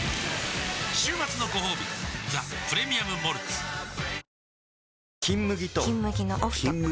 週末のごほうび「ザ・プレミアム・モルツ」よっ！